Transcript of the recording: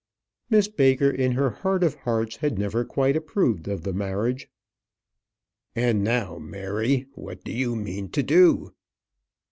Miss Baker in her heart of hearts had never quite approved of the marriage. "And now, Mary, what do you mean to do?"